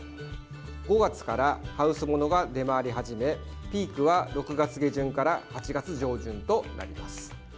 ５月からハウスものが出回り始めピークは６月下旬から８月上旬となります。